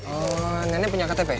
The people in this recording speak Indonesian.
oh nenek punya ktp